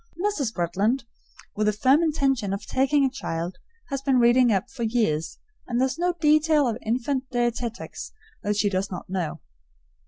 Mrs. Bretland, with the firm intention of taking a child, has been reading up for years, and there is no detail of infant dietetics that she does not know.